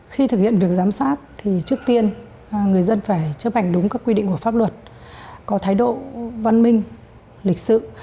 khi thực hiện việc giám sát thì trước tiên người dân phải chấp hành đúng các quy định của pháp luật có thái độ văn minh lịch sự